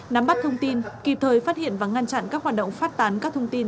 nắm bắt thông tin kịp thời phát hiện và ngăn chặn các hoạt động phát tán các thông tin